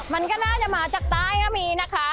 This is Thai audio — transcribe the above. มันก็น่าจะมาจากใต้ก็มีนะคะ